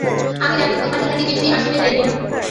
আমি জানি তোমার ইহাতে কিছুই আসিবে-যাইবে না।